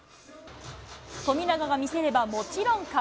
富永が見せれば、もちろん河